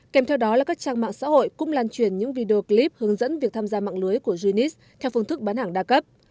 kèm theo đó là các trang mạng xã hội cũng lan truyền những video clip hướng dẫn việc tham gia mạng lưới của junis theo phương thức bán hàng đa cấp